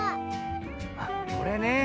あっこれね。